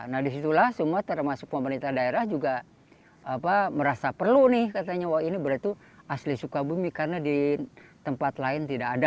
nah disitulah semua termasuk pemerintah daerah juga merasa perlu nih katanya wah ini berarti asli sukabumi karena di tempat lain tidak ada